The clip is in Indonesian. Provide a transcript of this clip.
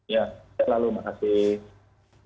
ya sehat selalu makasih